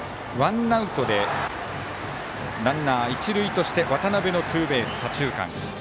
ワンアウトランナー、一塁として渡邊のツーベース、左中間。